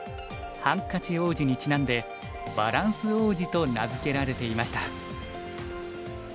「ハンカチ王子」にちなんで「バランス王子」と名づけられていました。